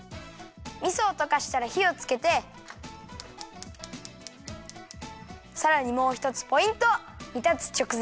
みそをとかしたらひをつけてさらにもうひとつポイント！にたつちょく